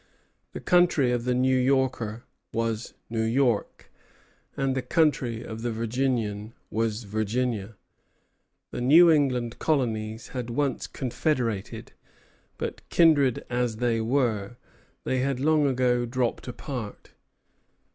The country of the New Yorker was New York, and the country of the Virginian was Virginia. The New England colonies had once confederated; but, kindred as they were, they had long ago dropped apart.